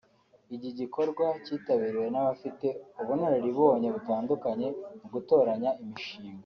Igi gikorwa kitabiriwe n’abafite ubunararibonye butandukanye mu gutoranya imishinga